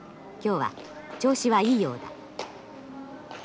今日は調子はいいようだ。